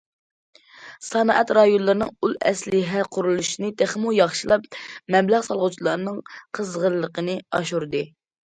سانائەت رايونلىرىنىڭ ئۇل ئەسلىھە قۇرۇلۇشىنى تېخىمۇ ياخشىلاپ، مەبلەغ سالغۇچىلارنىڭ قىزغىنلىقىنى ئاشۇردى.